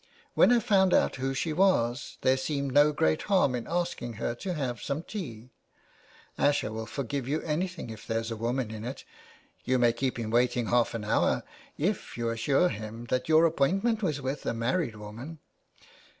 " When I found out who she was there seemed no great harm in asking her in to have some tea. Asher will forgive you anything if there's a woman in it ; you may keep him waiting half an hour if you assure him your appointment was with a married woman.